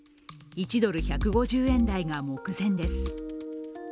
１ドル＝１５０円台が目前です。